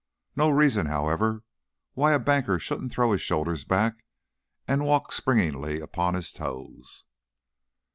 No reason, however, why a banker shouldn't throw his shoulders back and walk springily upon his toes.